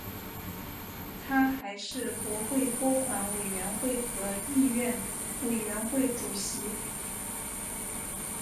他还是国会拨款委员会和议院委员会主席。